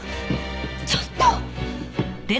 ちょっと！